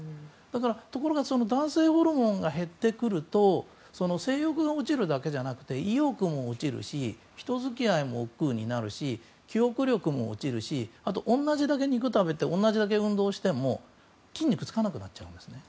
ところが、男性ホルモンが減ってくると性欲が落ちるだけじゃなくて意欲も落ちるし人付き合いもおっくうになるし記憶力も落ちるしあと、同じだけ肉食べて同じだけ運動しても筋肉がつかなくなるんです。